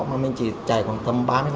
mà mình chỉ chạy khoảng tầm ba mươi